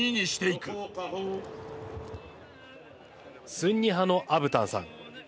スンニ派のアブタンさん